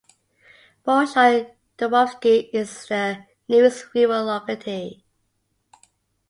Bolshoy Dubovsky is the nearest rural locality.